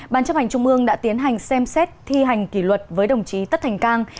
ban chấp hành trung ương đã tiến hành xem xét thi hành kỷ luật với đồng chí tất thành cang